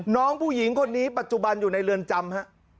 น้องผู้หญิงคนนี้ปัจจุบันอยู่ในเรือนจำฮะ